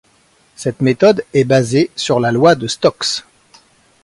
Cette méthode est basée sur la loi de Stokes.